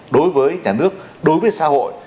đối với nhà nước đối với xã hội